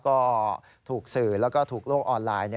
ก็ถูกสื่อแล้วก็ถูกโลกออนไลน์